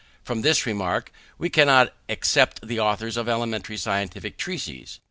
From this remark, we cannot except the authors of elementary scientific treatises.